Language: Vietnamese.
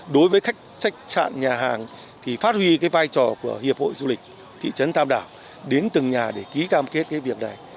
đối với khách trạng nhà hàng thì phát huy vai trò của hiệp hội du lịch thị trấn tam đảo đến từng nhà để ký cam kết việc này